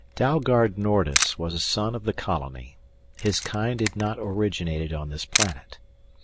Dalgard Nordis was a son of the Colony; his kind had not originated on this planet.